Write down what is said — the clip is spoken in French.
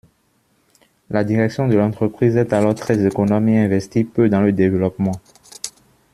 La direction de l'entreprise est alors très économe et investit peu dans le développement.